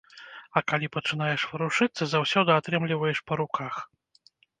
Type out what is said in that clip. А калі пачынаеш варушыцца, заўсёды атрымліваеш па руках.